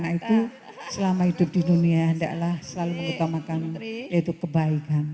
karena itu selama hidup di dunia andalah selalu mengutamakan yaitu kebaikan